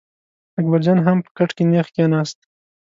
اکبر جان هم په کټ کې نېغ کېناست.